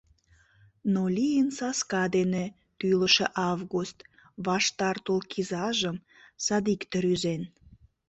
Но лийын саска дене тӱлышӧ август. Ваштар тул кизажым садикте рӱзен.